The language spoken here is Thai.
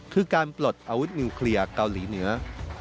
คือการปลดอาวุธนิวเคลียร์เกาหลีเหนือ